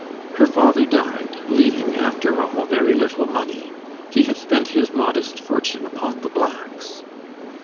Her father died, leaving, after all, very little money; he had spent his modest fortune upon the blacks.